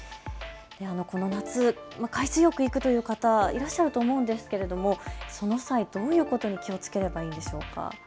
この夏、海水浴に行くという方いらっしゃると思うんですけどその際、どういうことに気をつければいいんでしょうか。